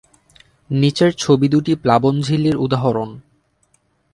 নিচের ছবি দুটি প্লাবন ঝিল্লির উদাহরণ।